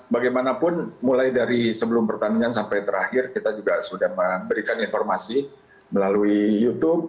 bagaimanapun mulai dari sebelum pertandingan sampai terakhir kita juga sudah memberikan informasi melalui youtube